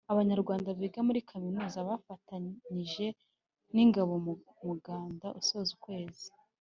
Abanyarwanda biga muri kaminuza bafatanyije n’ingabo mu muganda usoza ukwezi